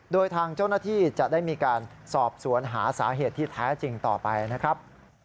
โดยทางเจ้าหน้าที่จะได้มีการสอบสวนหาสาเหตุที่แท้จริงต่อไปนะครับ